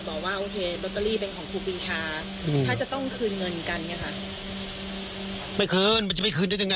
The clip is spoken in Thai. ถ้าจะต้องคืนเงินกันไหมค่ะไม่คืนมันจะไปคืนจะยังไง